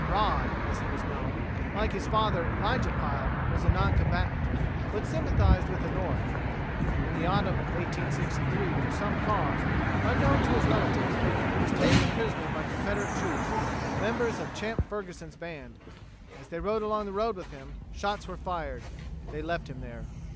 "Rod" as he was known, like his father, Elijah Pile, was a non combatant, but sympathized with the North. In the autumn of 1863 for some cause, unknown to his relatives, he was taken prisoner by Confederate troops, members of Champ Ferguson's band. As they rode along the road with him, some shots were fired. They left him there.